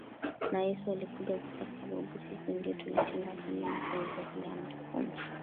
na Yesu alikuja kufa sababu sisi ndio tulitenda dhambi na kuvunja zile Amri kumi